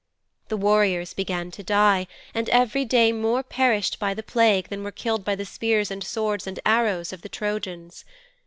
'The warriors began to die, and every day more perished by the plague than were killed by the spears and swords and arrows of the Trojans.